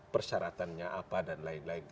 persyaratannya apa dan lain lain